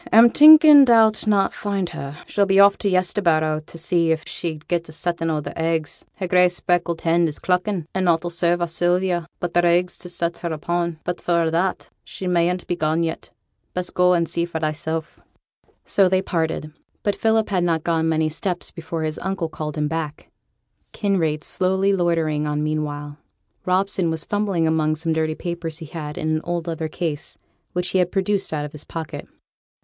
'A'm thinking thou'll not find her. She'll be off to Yesterbarrow t' see if she'd get a settin' o' their eggs; her grey speckled hen is cluckin', and nought 'll serve our Sylvia but their eggs to set her upon. But, for a' that, she mayn't be gone yet. Best go on and see for thysel'.' So they parted; but Philip had not gone many steps before his uncle called him back, Kinraid slowly loitering on meanwhile. Robson was fumbling among some dirty papers he had in an old leather case, which he had produced out of his pocket.